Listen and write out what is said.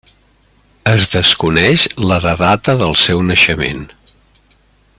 Es desconeix la de data del seu naixement.